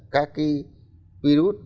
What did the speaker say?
các cái virus